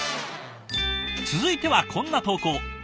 続いてはこんな投稿。